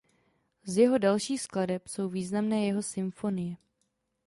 Z jeho dalších skladeb jsou významné jeho symfonie.